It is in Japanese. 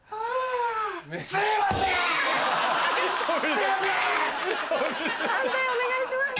判定お願いします。